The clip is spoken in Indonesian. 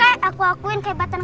oke aku akuin kehebatan kalian